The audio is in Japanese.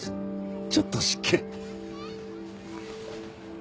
ちょっと失敬。